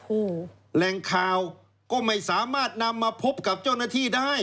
โอ้โหแหล่งข่าวก็ไม่สามารถนำมาพบกับเจ้าหน้าที่ได้